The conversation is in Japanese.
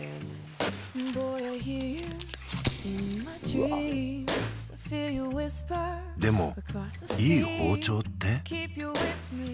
うわっでもいい包丁って？